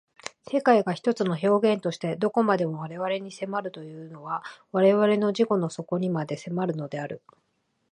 世界が一つの表現として何処までも我々に迫るというのは我々の自己の底にまで迫るのである。